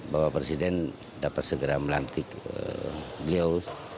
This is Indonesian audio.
bapak presiden dapat segera melantik beliau